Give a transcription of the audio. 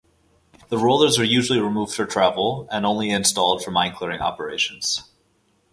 The rollers were usually removed for travel, and only installed for mine clearing operations.